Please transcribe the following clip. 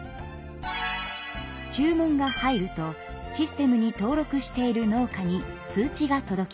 注文が入るとシステムに登録している農家に通知が届きます。